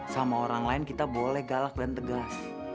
sama orang lain kita boleh galak dan tegas